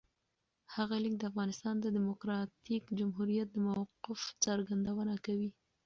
هغه لیک د افغانستان د دموکراتیک جمهوریت د موقف څرګندونه کوي.